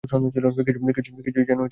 কিছুই যেন বাদ না দিই।